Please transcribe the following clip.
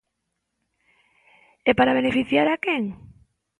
¿E para beneficiar a quen?